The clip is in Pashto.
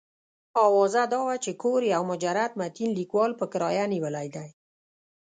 اوازه دا وه چې کور یو مجرد متین لیکوال په کرایه نیولی دی.